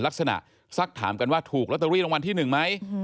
สักถามกันว่าถูกลอตเตอรี่รางวัลที่๑ไหม